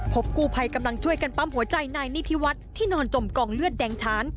กู้ภัยกำลังช่วยกันปั๊มหัวใจนายนิธิวัฒน์ที่นอนจมกองเลือดแดงฐาน